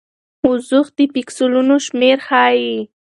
وضوح د پیکسلونو شمېر ښيي.